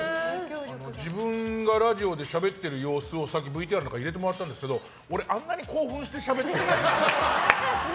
自分がラジオでしゃべってる様子をさっきＶＴＲに入れてもらったんですけど俺、あんなに興奮してしゃべってるの？